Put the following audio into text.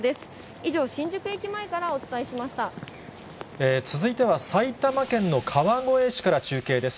以上、続いては、埼玉県の川越市から中継です。